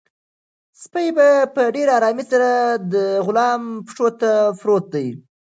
سپی په ډېر ارامۍ سره د غلام پښو ته پروت دی.